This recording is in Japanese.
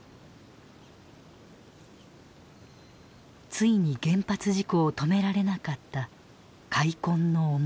ついに原発事故を止められなかった「悔恨の思い」。